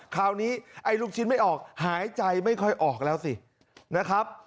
คราวนี้ไอ้ลูกชิ้นไม่ออกหายใจไม่ค่อยออกแล้วสินะครับ